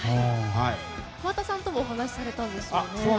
桑田さんともお話しされたんですよね。